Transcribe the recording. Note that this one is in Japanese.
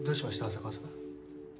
浅川さん。